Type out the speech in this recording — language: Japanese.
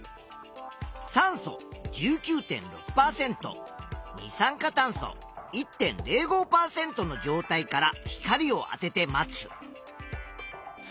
酸素１９．６％二酸化炭素１．０５％の状態から光をあてて待つ。